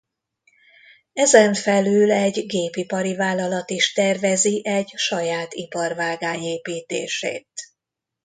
Ezen felül egy gépipari vállalat is tervezi egy saját iparvágány építését.